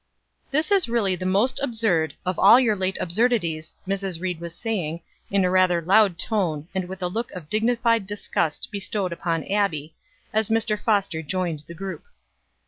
"This is really the most absurd of all your late absurdities," Mrs. Ried was saying, in rather a loud tone, and with a look of dignified disgust bestowed upon Abbie, as Mr. Foster joined the group.